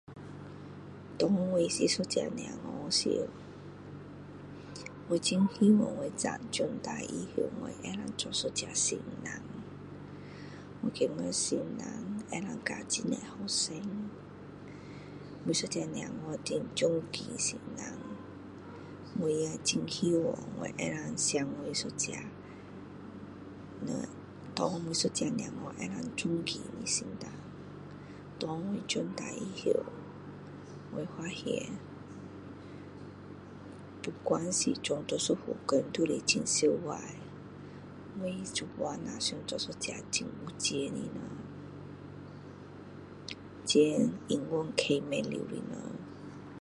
当我是一个小孩时侯，我很希望我长[uhm]大以后我可以做一个老师。我觉得老师可以教很多学生。每一个小孩很尊敬老师。我也很希望我可以成为一位[uhm]当每一位小孩可以尊敬的老师。当我长大以后，我发现, 不管是做什么工作都是很辛苦。我现在只想做一个很有钱的人，钱永远开不完的人！